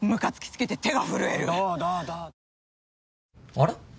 あれ？